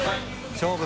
勝負！